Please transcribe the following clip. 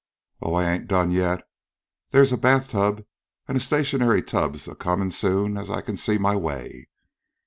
"Oh, I ain't done yet. They's a bath tub an' stationary tubs a comin' soon as I can see my way.